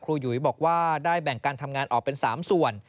หยุยบอกว่าได้แบ่งการทำงานออกเป็น๓ส่วน